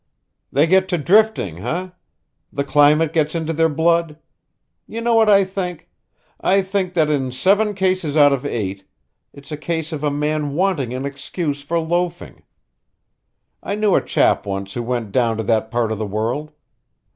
"They get to drifting, eh? The climate gets into their blood. Do you know what I think? I think that, in seven cases out of eight, it's a case of a man wanting an excuse for loafing. I knew a chap once who went down to that part of the world.